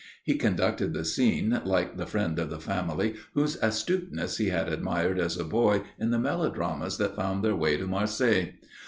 He conducted the scene like the friend of the family whose astuteness he had admired as a boy in the melodramas that found their way to Marseilles.